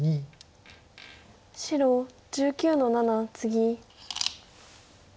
白１９の七ツギ。